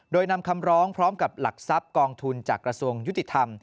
โดยนำคำร้องพร้อมกับหลักทรัพย์กองทุนจากกระทรวงยุติธรรม